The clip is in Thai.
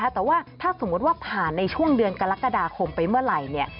แต่ว่าถ้าสมมุติว่าผ่านในช่วงเดือนกรกฎาคมไปเมื่อไหร่